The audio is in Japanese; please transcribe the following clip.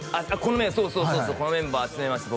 そうそうこのメンバー集めました